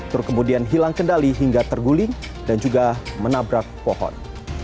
truk kemudian hilang kendali hingga terguling dan juga menabrak pohon